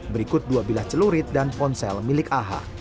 berikut dua bilah celurit dan ponsel milik aha